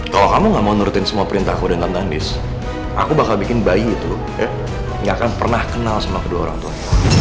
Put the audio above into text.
kalau kamu gak mau nurutin semua perintah aku dan tante andis aku bakal bikin bayi itu ya yang akan pernah kenal sama kedua orang tua